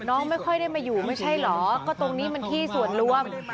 ไม่ค่อยได้มาอยู่ไม่ใช่เหรอก็ตรงนี้มันที่ส่วนรวม